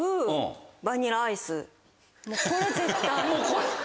これ絶対。